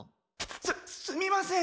すすみません。